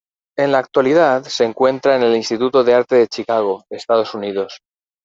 En la actualidad se encuentra en el Instituto de Arte de Chicago, Estados Unidos.